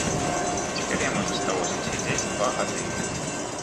Цяпер яму засталося сядзець два гады.